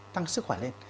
tăng sức khỏe lên